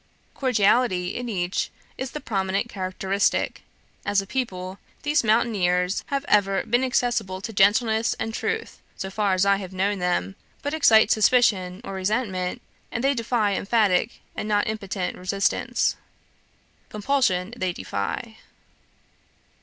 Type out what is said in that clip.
Cordiality in each is the prominent characteristic. As a people, these mountaineers have ever been accessible to gentleness and truth, so far as I have known them; but excite suspicion or resentment, and they give emphatic and not impotent resistance. Compulsion they defy.